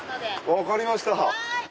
分かりました。